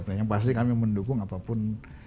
nah yang pasti kami mendukung apapun